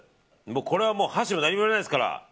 これは、箸も何もいらないですから。